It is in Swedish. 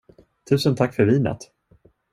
Tusen tack för vinet.